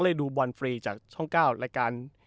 ดูบอลฟรีจากช่อง๙รายการ